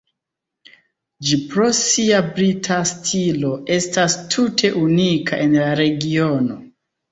Ĝi pro sia brita stilo estas tute unika en la regiono.